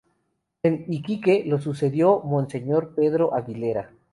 En Iquique, lo sucedió Monseñor Pedro Aguilera.